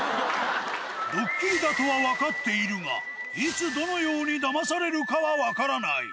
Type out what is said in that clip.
ドッキリだとは分かっているが、いつ、どのようにダマされるかは分からない。